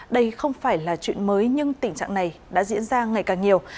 đây không phải là chuyện mới nhưng tình trạng này đã diễn ra ngày càng nhiều